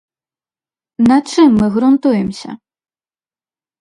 На чым мы грунтуемся?